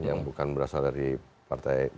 yang bukan berasal dari partai